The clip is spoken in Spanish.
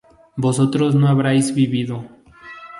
vosotros no habríais vivido